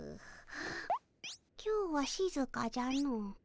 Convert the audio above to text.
今日はしずかじゃの。